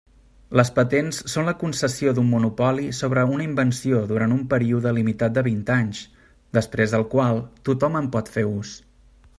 Les patents són la concessió d'un monopoli sobre una invenció durant un període limitat de vint anys, després del qual tothom en pot fer ús.